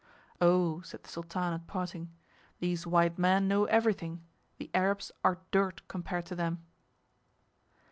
'Oh,' said the Sultan at parting, 'these white men know everything, the Arabs are dirt compared to them!'"